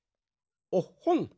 おっほん！